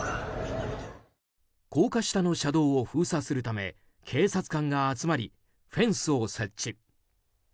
高架下の車道を封鎖するため警察官が集まりフェンスを設置。